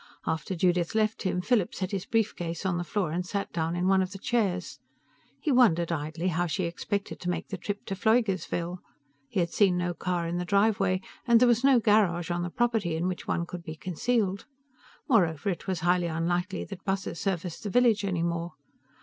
After Judith left him, Philip set his brief case on the floor and sat down in one of the chairs. He wondered idly how she expected to make the trip to Pfleugersville. He had seen no car in the driveway, and there was no garage on the property in which one could be concealed. Moreover, it was highly unlikely that buses serviced the village any more.